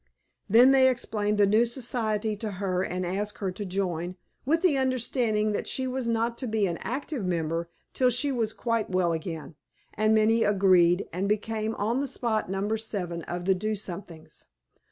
Then they explained the new society to her and asked her to join, with the understanding that she was not to be an "active member" till she was quite well again, and Minnie agreed, and became on the spot number seven of the Do Somethings.